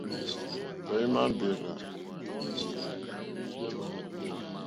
Tɔ̀ímá mbèrzà.